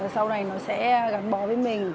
sau này nó sẽ gắn bó với mình